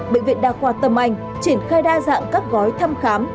bệnh viện đa khoa tâm anh triển khai đa dạng các gói thăm khám